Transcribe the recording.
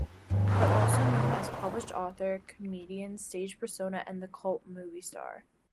But also known as a published author, comedian, stage persona and cult-movie star.